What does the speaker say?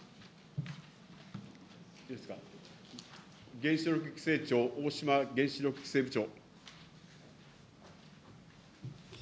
原子力規制庁、大島原子力規制部長。